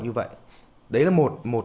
như vậy đấy là một